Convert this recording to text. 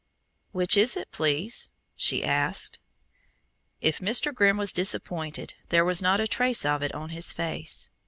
"Which is it, please?" she asked. If Mr. Grimm was disappointed there was not a trace of it on his face.